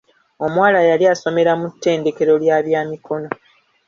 Omuwala yali asomera mu ttendekero lya bya mikono.